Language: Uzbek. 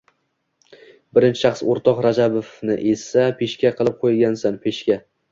Birinchi shaxs o‘rtoq Rajabovni esa... peshka qilib qo‘ygansan, peshka!